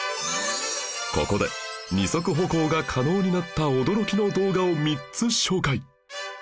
ここで二足歩行が可能になった驚きの動画を３つ紹介